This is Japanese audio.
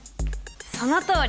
そのとおり！